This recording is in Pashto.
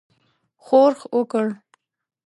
ښورښ وکړ.